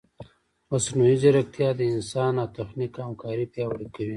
مصنوعي ځیرکتیا د انسان او تخنیک همکاري پیاوړې کوي.